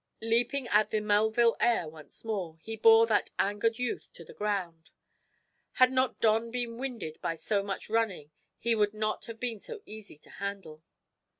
Leaping at the Melville heir once more, he bore that angered youth to the ground. Had not Don been winded by so much running he would not have been so easy to handle.